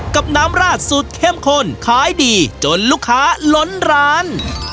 กับน้ำราดสูตรเข้มข้นขายดีจนลูกค้าล้นร้าน